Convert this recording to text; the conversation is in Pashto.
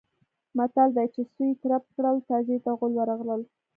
متل دی: چې سویې ترپ کړل تازي ته غول ورغلل.